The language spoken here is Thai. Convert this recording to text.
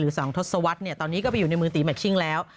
สองทศวรรษเนี่ยตอนนี้ก็ไปอยู่ในมือตีแมชชิงแล้ว